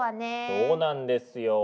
そうなんですよ。